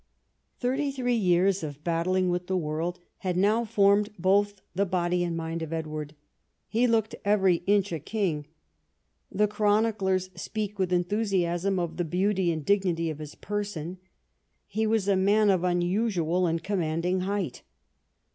Thirty three years of battling with the world had now formed both the body and mind of Edward. He looked every inch a king. The chroniclers speak with enthusi asm of the beauty and dignity of his person. He was a man of unusual and commanding height.